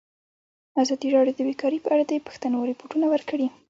ازادي راډیو د بیکاري په اړه د پېښو رپوټونه ورکړي.